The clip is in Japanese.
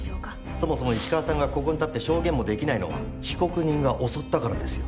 そもそも石川さんがここに立って証言もできないのは被告人が襲ったからですよ